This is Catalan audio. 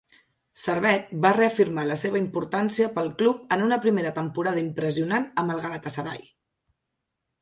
Servet va reafirmar la seva importància per al club en una primera temporada impressionant amb el Galatasaray.